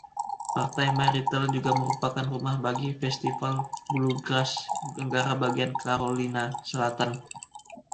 Pantai Myrtle juga merupakan rumah bagi Festival Bluegrass Negara Bagian Carolina Selatan.